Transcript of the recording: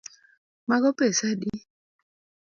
Mago pesa adi?